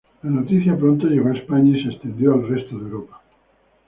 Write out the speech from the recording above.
La noticia pronto llegó a España y se extendió al resto de Europa.